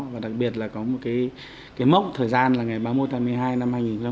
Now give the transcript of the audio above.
và đặc biệt là có một mốc thời gian là ngày ba mươi một tháng một mươi hai năm hai nghìn một mươi sáu